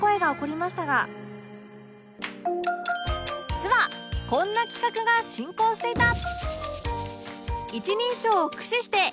実はこんな企画が進行していた